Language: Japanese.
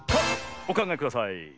おかんがえください。